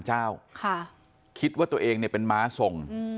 ค่ะคิดว่าตัวเองเนี่ยเป็นมาซงอืม